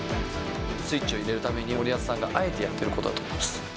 スイッチを入れるために、森保さんがあえてやってることだと思います。